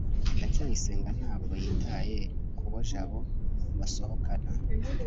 ndacyayisenga ntabwo yitaye kubo jabo basohokana